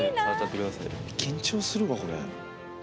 緊張するわこれ。